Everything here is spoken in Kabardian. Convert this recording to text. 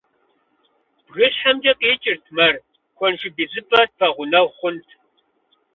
БгыщхьэмкӀэ къикӀырт мэр: куэншыб идзыпӀэ тпэгъунэгъу хъунт.